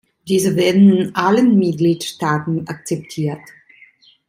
Diese werden in allen Mitgliedstaaten akzeptiert.